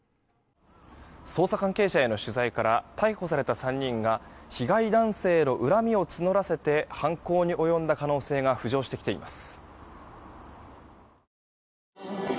捜査関係者への取材から逮捕された３人が被害男性の恨みを募らせて犯行に及んだ可能性が浮上してきています。